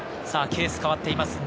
ケース変わっています。